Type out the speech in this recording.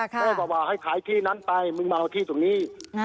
ก็เลยบอกว่าให้ขายที่นั้นไปมึงมาเอาที่ตรงนี้